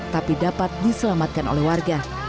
tapi dapat diselamatkan oleh warga